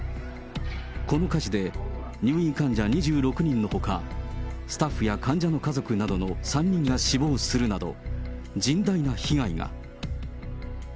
この火事で入院患者２６人のほか、スタッフや患者の家族などの３人が死亡するなど、甚大な被害が。